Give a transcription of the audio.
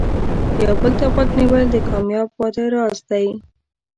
یو بل ته غوږ نیول د کامیاب واده راز دی.